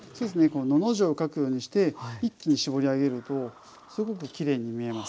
「の」の字を書くようにして一気に絞り上げるとすごくきれいに見えます。